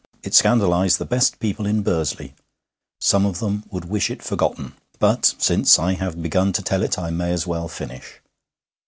It scandalized the best people in Bursley; some of them would wish it forgotten. But since I have begun to tell it I may as well finish.